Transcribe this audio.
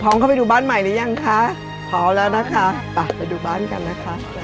เข้าไปดูบ้านใหม่หรือยังคะพร้อมแล้วนะคะไปไปดูบ้านกันนะคะ